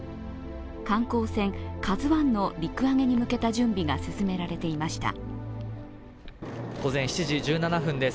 観光船「ＫＡＺＵⅠ」の陸揚げに向けた準備が進められていました。